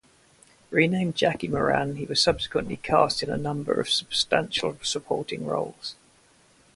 Renamed Jackie Moran, he was subsequently cast in a number of substantial supporting roles.